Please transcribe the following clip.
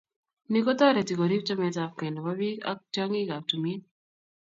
ni kotoreti koriip chametabgei nebo biik ago tyongikab tumin